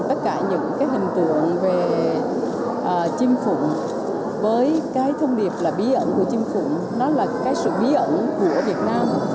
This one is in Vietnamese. tất cả những cái hình tượng về chim phụng với cái thông điệp là bí ẩn của chim phụng nó là cái sự bí ẩn của việt nam